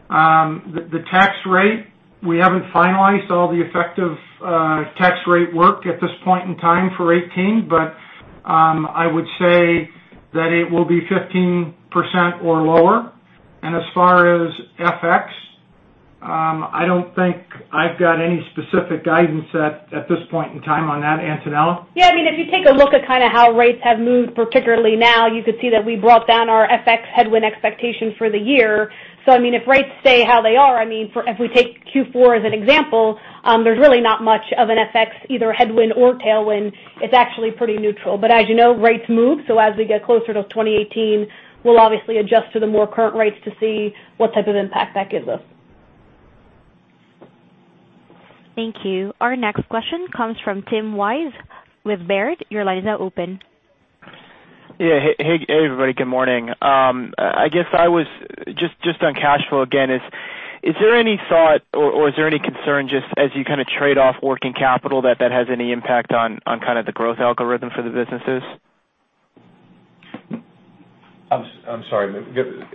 The tax rate, we haven't finalized all the effective tax rate work at this point in time for 2018, but I would say that it will be 15% or lower. As far as FX, I don't think I've got any specific guidance at this point in time on that. Antonella? Yeah. If you take a look at kind of how rates have moved, particularly now, you could see that we brought down our FX headwind expectation for the year. If rates stay how they are, if we take Q4 as an example, there's really not much of an FX, either headwind or tailwind. It's actually pretty neutral. As you know, rates move, as we get closer to 2018, we'll obviously adjust to the more current rates to see what type of impact that gives us. Thank you. Our next question comes from Tim Wojs with Baird. Your line is now open. Yeah. Hey, everybody. Good morning. Just on cash flow again, is there any thought or is there any concern just as you kind of trade off working capital that has any impact on kind of the growth algorithm for the businesses? I'm sorry.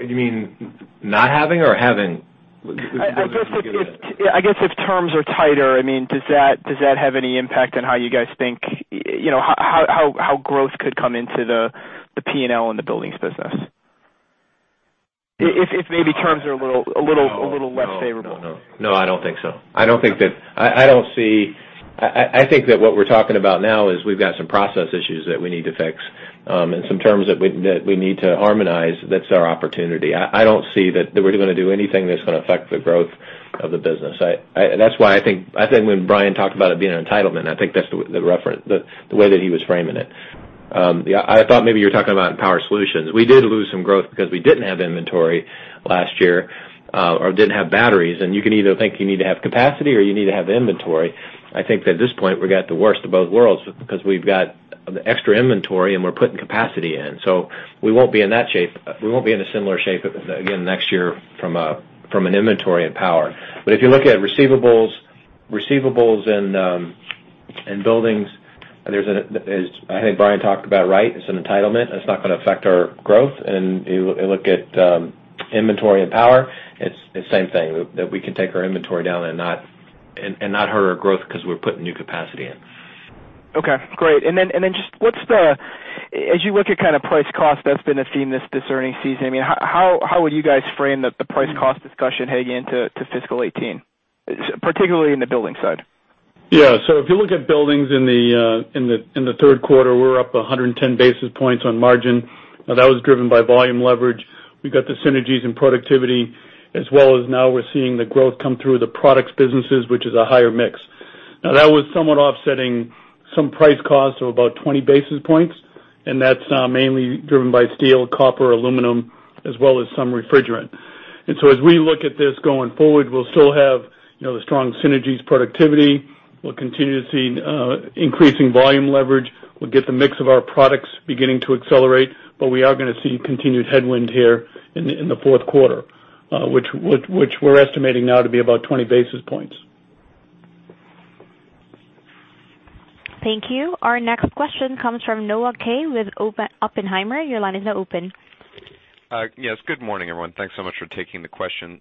You mean not having or having? I guess if terms are tighter, does that have any impact on how you guys think how growth could come into the P&L and the Buildings business? If maybe terms are a little less favorable. No. I don't think so. I think that what we're talking about now is we've got some process issues that we need to fix, and some terms that we need to harmonize. That's our opportunity. I don't see that we're going to do anything that's going to affect the growth of the business. That's why I think when Brian talked about it being an entitlement, I think that's the way that he was framing it. I thought maybe you were talking about Power Solutions. We did lose some growth because we didn't have inventory last year or didn't have batteries, and you can either think you need to have capacity or you need to have inventory. I think at this point, we've got the worst of both worlds because we've got the extra inventory and we're putting capacity in. We won't be in a similar shape again next year from an inventory in Power. If you look at receivables in buildings, I think Brian talked about it right. It's an entitlement, and it's not going to affect our growth. You look at inventory and Power, it's the same thing, that we can take our inventory down and not hurt our growth because we're putting new capacity in. Okay, great. As you look at price cost, that's been a theme this earnings season. How would you guys frame the price cost discussion heading into FY 2018, particularly in the buildings side? Yeah. If you look at buildings in the third quarter, we were up 110 basis points on margin. That was driven by volume leverage. We got the synergies in productivity, as well as now we're seeing the growth come through the products businesses, which is a higher mix. That was somewhat offsetting some price cost of about 20 basis points, and that's mainly driven by steel, copper, aluminum, as well as some refrigerant. As we look at this going forward, we'll still have the strong synergies productivity. We'll continue to see increasing volume leverage. We'll get the mix of our products beginning to accelerate. We are going to see continued headwind here in the fourth quarter, which we're estimating now to be about 20 basis points. Thank you. Our next question comes from Noah Kaye with Oppenheimer. Your line is now open. Yes. Good morning, everyone. Thanks so much for taking the question.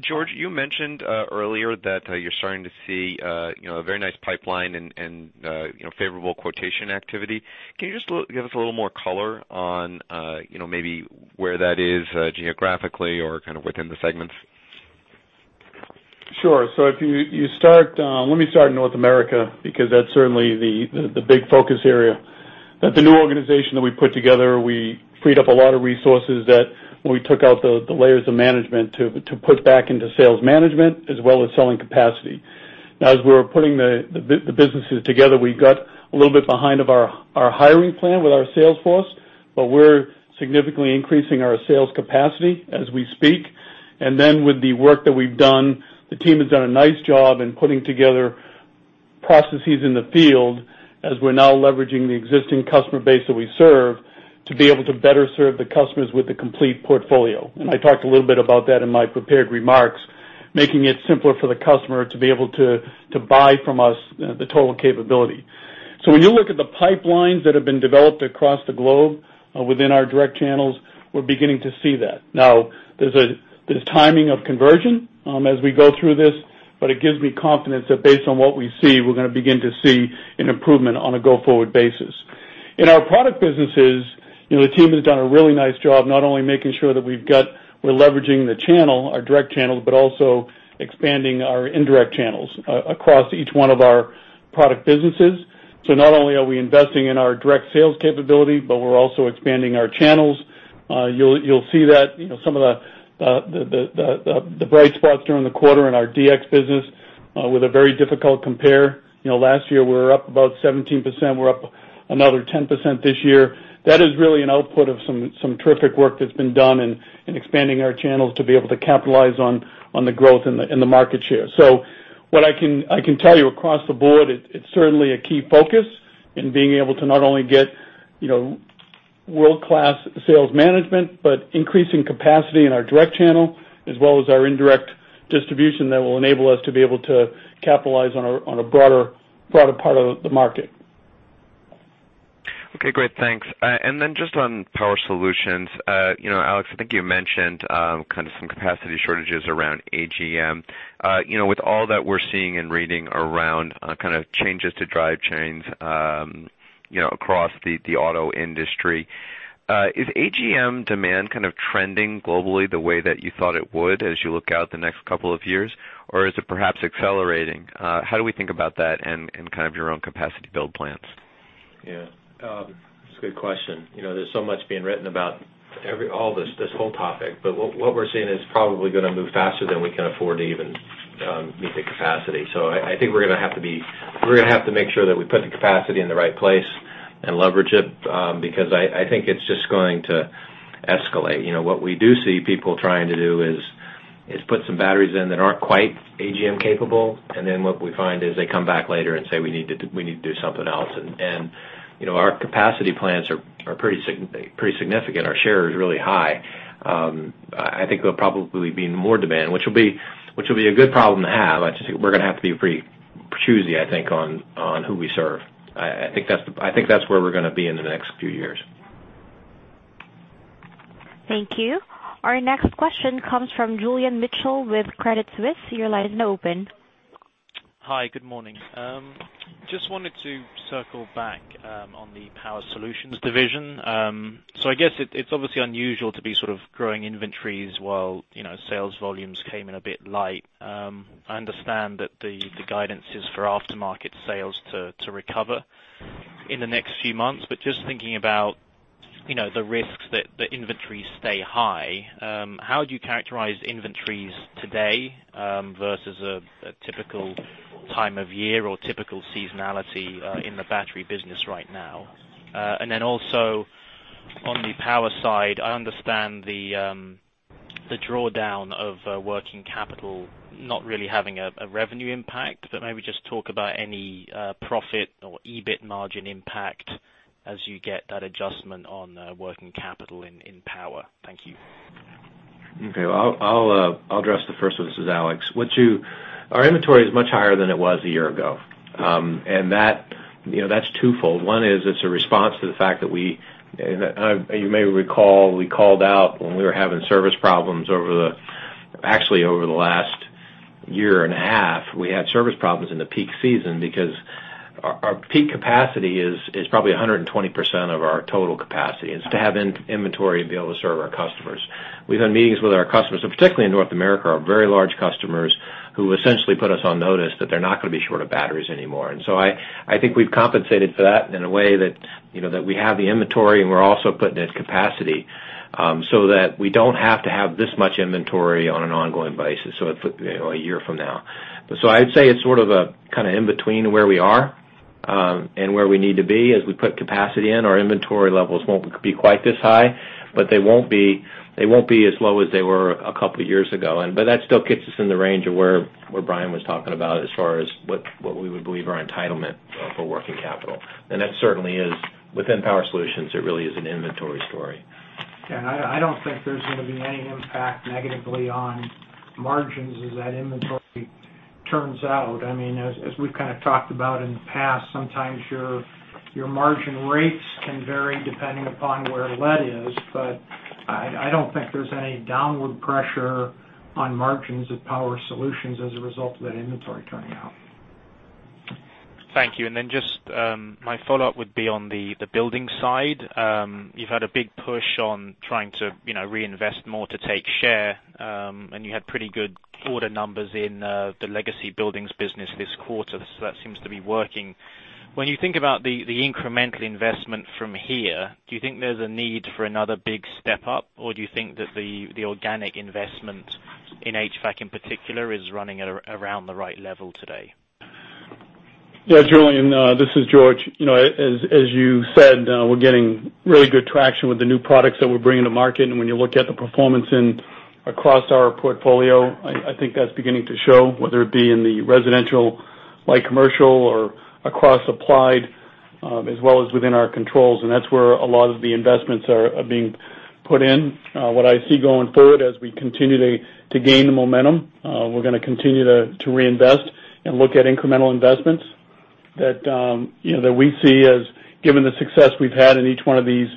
George, you mentioned earlier that you're starting to see a very nice pipeline and favorable quotation activity. Can you just give us a little more color on maybe where that is geographically or within the segments? Sure. Let me start in North America, because that's certainly the big focus area. At the new organization that we put together, we freed up a lot of resources that we took out the layers of management to put back into sales management as well as selling capacity. As we were putting the businesses together, we got a little bit behind of our hiring plan with our sales force, but we're significantly increasing our sales capacity as we speak. Then with the work that we've done, the team has done a nice job in putting together processes in the field as we're now leveraging the existing customer base that we serve to be able to better serve the customers with a complete portfolio. I talked a little bit about that in my prepared remarks, making it simpler for the customer to be able to buy from us the total capability. When you look at the pipelines that have been developed across the globe within our direct channels, we're beginning to see that. There's timing of conversion as we go through this, but it gives me confidence that based on what we see, we're going to begin to see an improvement on a go-forward basis. In our product businesses, the team has done a really nice job not only making sure that we're leveraging our direct channels, but also expanding our indirect channels across each one of our product businesses. Not only are we investing in our direct sales capability, but we're also expanding our channels. You'll see that some of the bright spots during the quarter in our DX business with a very difficult compare. Last year we were up about 17%. We're up another 10% this year. That's really an output of some terrific work that's been done in expanding our channels to be able to capitalize on the growth in the market share. What I can tell you across the board, it's certainly a key focus in being able to not only get world-class sales management, but increasing capacity in our direct channel as well as our indirect distribution that will enable us to be able to capitalize on a broader part of the market. Okay, great. Thanks. Then just on Power Solutions. Alex, I think you mentioned some capacity shortages around AGM. With all that we're seeing and reading around changes to drivetrains across the auto industry, is AGM demand trending globally the way that you thought it would as you look out the next couple of years, or is it perhaps accelerating? How do we think about that and your own capacity build plans? Yeah. It's a good question. There's so much being written about this whole topic. What we're seeing is probably going to move faster than we can afford to even meet the capacity. I think we're going to have to make sure that we put the capacity in the right place and leverage it, because I think it's just going to escalate. What we do see people trying to do is put some batteries in that aren't quite AGM capable, and then what we find is they come back later and say we need to do something else. Our capacity plans are pretty significant. Our share is really high. I think there'll probably be more demand, which will be a good problem to have. I just think we're going to have to be pretty choosy, I think, on who we serve. I think that's where we're going to be in the next few years. Thank you. Our next question comes from Julian Mitchell with Credit Suisse. Your line is now open. Hi, good morning. Just wanted to circle back on the Power Solutions division. I guess it's obviously unusual to be sort of growing inventories while sales volumes came in a bit light. I understand that the guidance is for aftermarket sales to recover in the next few months, but just thinking about the risks that inventories stay high, how do you characterize inventories today, versus a typical time of year or typical seasonality in the battery business right now? Also on the power side, I understand the drawdown of working capital not really having a revenue impact, but maybe just talk about any profit or EBIT margin impact as you get that adjustment on working capital in power. Thank you. Okay. I'll address the first one. This is Alex. Our inventory is much higher than it was a year ago. That's twofold. One is, it's a response to the fact that we, you may recall, we called out when we were having service problems, actually over the last year and a half, we had service problems in the peak season because our peak capacity is probably 120% of our total capacity, is to have inventory and be able to serve our customers. We've had meetings with our customers, and particularly in North America, our very large customers who essentially put us on notice that they're not going to be short of batteries anymore. I think we've compensated for that in a way that we have the inventory, and we're also putting in capacity, so that we don't have to have this much inventory on an ongoing basis, a year from now. I'd say it's sort of in between where we are and where we need to be. As we put capacity in, our inventory levels won't be quite this high, but they won't be as low as they were a couple of years ago. That still gets us in the range of where Brian was talking about as far as what we would believe our entitlement for working capital. That certainly is, within Power Solutions, it really is an inventory story. Yeah, I don't think there's going to be any impact negatively on margins as that inventory turns out. As we've kind of talked about in the past, sometimes your margin rates can vary depending upon where lead is, but I don't think there's any downward pressure on margins at Power Solutions as a result of that inventory turning out. Thank you. Just my follow-up would be on the building side. You've had a big push on trying to reinvest more to take share, and you had pretty good order numbers in the legacy buildings business this quarter. That seems to be working. When you think about the incremental investment from here, do you think there's a need for another big step-up, or do you think that the organic investment in HVAC in particular is running at around the right level today? Yeah, Julian, this is George. As you said, we're getting really good traction with the new products that we're bringing to market. When you look at the performance across our portfolio, I think that's beginning to show, whether it be in the residential, light commercial, or across applied, as well as within our controls. That's where a lot of the investments are being put in. What I see going forward, as we continue to gain the momentum, we're going to continue to reinvest and look at incremental investments that we see as, given the success we've had in each one of these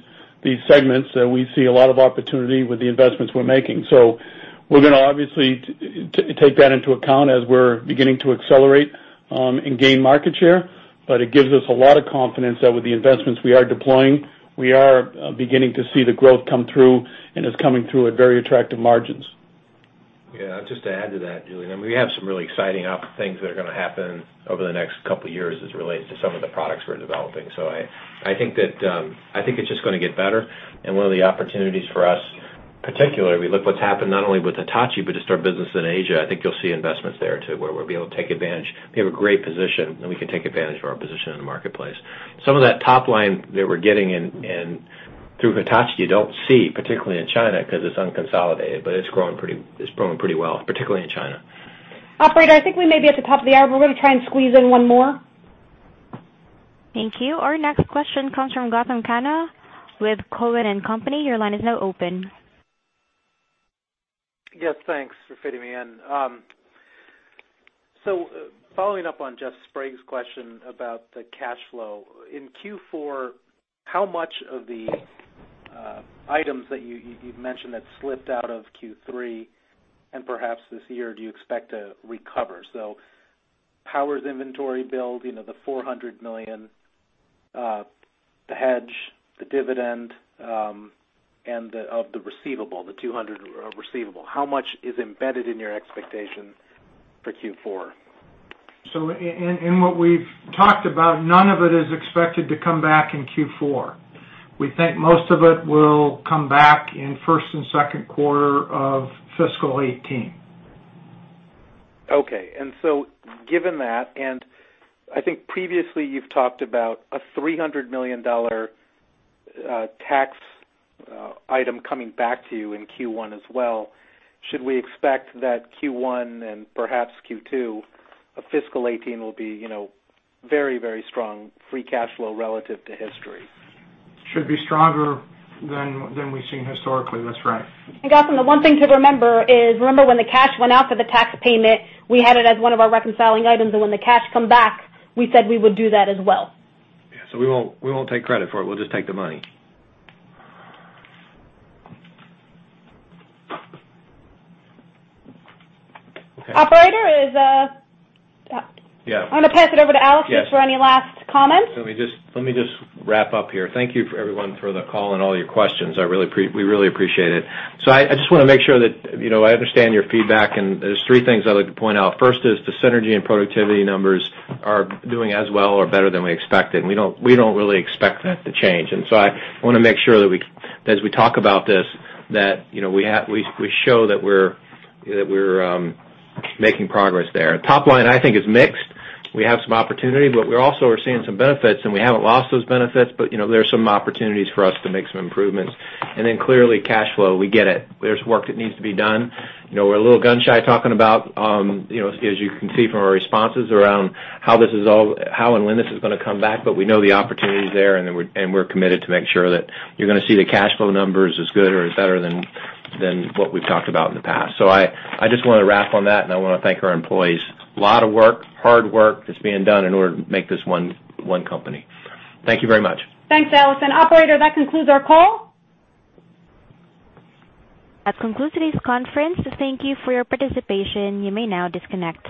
segments, that we see a lot of opportunity with the investments we're making. We're going to obviously take that into account as we're beginning to accelerate and gain market share. It gives us a lot of confidence that with the investments we are deploying, we are beginning to see the growth come through, and it's coming through at very attractive margins. Just to add to that, Julian, we have some really exciting things that are going to happen over the next couple of years as it relates to some of the products we're developing. I think it's just going to get better. One of the opportunities for us, particularly if we look what's happened not only with Hitachi, but just our business in Asia, I think you'll see investments there too, where we'll be able to take advantage. We have a great position, and we can take advantage of our position in the marketplace. Some of that top line that we're getting in through Hitachi, you don't see, particularly in China, because it's unconsolidated, but it's growing pretty well, particularly in China. Operator, I think we may be at the top of the hour. We're going to try and squeeze in one more. Thank you. Our next question comes from Gautam Khanna with Cowen and Company. Your line is now open. Thanks for fitting me in. Following up on Jeffrey Sprague's question about the cash flow. In Q4, how much of the items that you've mentioned that slipped out of Q3 and perhaps this year, do you expect to recover? Power's inventory build, the $400 million, the hedge, the dividend, and of the receivable, the $200 receivable. How much is embedded in your expectation for Q4? In what we've talked about, none of it is expected to come back in Q4. We think most of it will come back in first and second quarter of fiscal 2018. Okay. Given that, I think previously you've talked about a $300 million tax item coming back to you in Q1 as well, should we expect that Q1 and perhaps Q2 of fiscal 2018 will be very strong free cash flow relative to history? Should be stronger than we've seen historically. That's right. Gautam, the one thing to remember is, remember when the cash went out for the tax payment, we had it as one of our reconciling items, when the cash come back, we said we would do that as well. Yeah. We won't take credit for it. We'll just take the money. Operator. Yeah. I'm going to pass it over to Alex just for any last comments. Let me just wrap up here. Thank you everyone for the call and all your questions. We really appreciate it. I just want to make sure that I understand your feedback, and there's three things I'd like to point out. First is the synergy and productivity numbers are doing as well or better than we expected, and we don't really expect that to change. I want to make sure that as we talk about this, that we show that we're making progress there. Top line I think is mixed. We have some opportunity, we also are seeing some benefits and we haven't lost those benefits, there are some opportunities for us to make some improvements. Clearly cash flow, we get it. There's work that needs to be done. We're a little gun shy talking about, as you can see from our responses around how and when this is going to come back, but we know the opportunity's there, and we're committed to make sure that you're going to see the cash flow numbers as good or better than what we've talked about in the past. I just want to wrap on that, and I want to thank our employees. A lot of work, hard work that's being done in order to make this one company. Thank you very much. Thanks, Alex. Operator, that concludes our call. That concludes today's conference. Thank you for your participation. You may now disconnect.